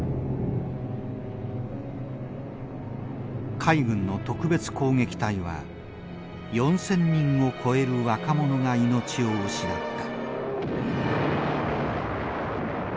海軍の特別攻撃隊は４，０００人を超える若者が命を失った。